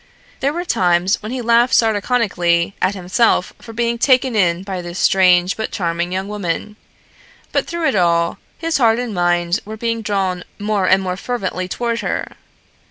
There were times when he laughed sardonically at himself for being taken in by this strange but charming young woman, but through it all his heart and mind were being drawn more and more fervently toward her.